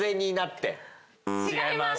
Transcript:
違います！